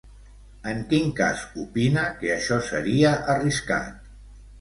En quin cas opina que això seria arriscat?